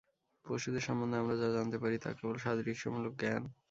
পশুদের সম্বন্ধে আমরা যা জানতে পারি, তা কেবল সাদৃশ্যমূলক জ্ঞান।